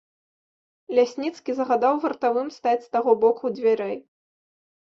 Лясніцкі загадаў вартавым стаць з таго боку дзвярэй.